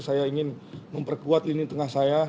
saya ingin memperkuat lini tengah saya